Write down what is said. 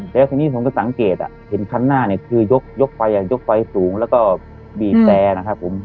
แล้วทีนี้ผมก็สังเกตเห็นคันหน้าเนี่ยคือยกไฟยกไฟสูงแล้วก็บีบแต่นะครับผม